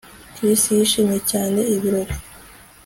Chris yishimiye cyane ibirori